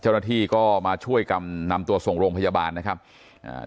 เจ้าหน้าที่ก็มาช่วยกันนำตัวส่งโรงพยาบาลนะครับอ่า